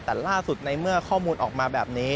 แต่ล่าสุดในเมื่อข้อมูลออกมาแบบนี้